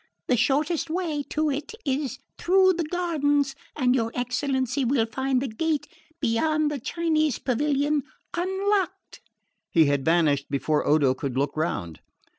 The shortest way to it is through the gardens and your excellency will find the gate beyond the Chinese pavilion unlocked." He had vanished before Odo could look round.